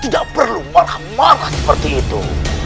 tidak perlu marah marah seperti itu